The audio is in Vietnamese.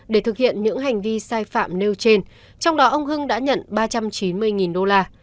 để thực hiện những hành vi sai phạm nêu trên trong đó ông hưng đã nhận ba trăm chín mươi đô la